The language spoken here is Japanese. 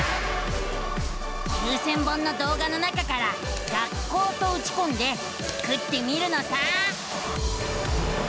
９，０００本の動画の中から「学校」とうちこんでスクってみるのさ！